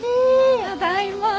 ただいま。